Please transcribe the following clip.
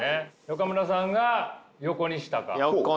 岡村さんが横にしたか。